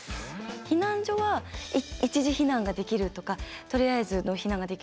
避難所は一時避難ができるとかとりあえずの避難ができる。